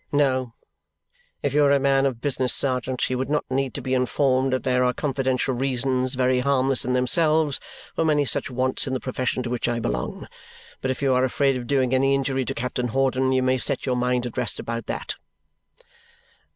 "No. If you were a man of business, sergeant, you would not need to be informed that there are confidential reasons, very harmless in themselves, for many such wants in the profession to which I belong. But if you are afraid of doing any injury to Captain Hawdon, you may set your mind at rest about that."